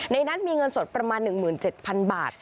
ในนั้นมีเงินสดประมาณ๑๗๐๐๐บาท